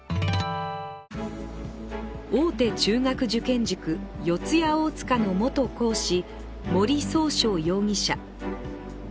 大手中学受験塾・四谷大塚の元講師森崇翔容疑者。